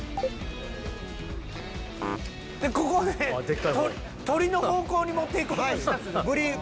「ここで鳥の方向に持っていこうと」